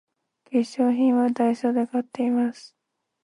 化粧品はダイソーで買っています